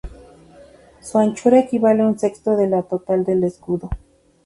Su anchura equivale a un sexto de la del total del escudo.